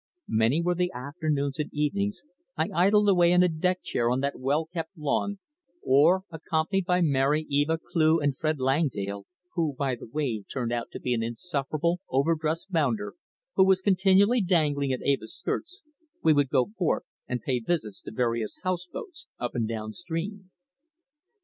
Many were the afternoons and evenings I idled away in a deck chair on that well kept lawn, or, accompanied by Mary, Eva, Cleugh and Fred Langdale, who, by the way, turned out to be an insufferable, over dressed "bounder" who was continually dangling at Eva's skirts, we would go forth and pay visits to various house boats up and down stream.